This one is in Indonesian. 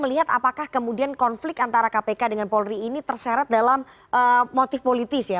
melihat apakah kemudian konflik antara kpk dengan polri ini terseret dalam motif politis ya